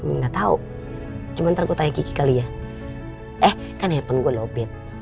enggak tau cuma ntar gue tanya kiki kali ya eh kan handphone gue lobit